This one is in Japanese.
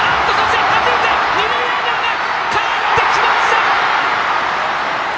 二塁ランナーがかえってきました！